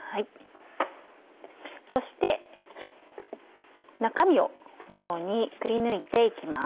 そして中身をこのようにくりぬいて行きます。